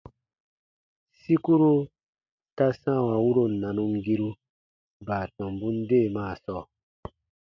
Sikuru ta sãawa wuro nanumgiru baatɔmbun deemaa sɔɔ.